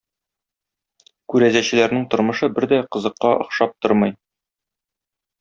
Күрәзәчеләрнең тормышы бер дә кызыкка охшап тормый.